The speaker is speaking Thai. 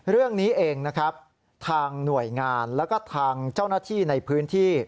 เรื่องนี้เองนะครับทางหน่วยงานแล้วก็ทางเจ้าหน้าที่ในพื้นที่